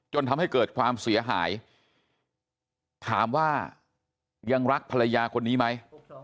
จนทำให้เกิดความเสียหายถามว่ายังรักภรรยาคนนี้ไหม